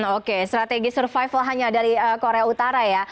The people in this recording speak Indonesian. oke strategi survival hanya dari korea utara ya